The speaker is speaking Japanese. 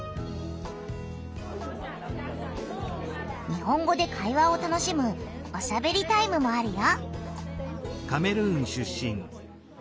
日本語で会話を楽しむ「おしゃべりタイム」もあるよ。